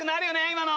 今の！